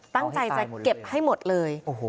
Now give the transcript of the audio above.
ตั้งใจจะเก็บให้หมดเลย